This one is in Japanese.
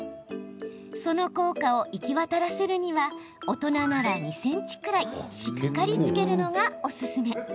その効果を行き渡らせるには大人なら２ｃｍくらいしっかりつけるのがおすすめ。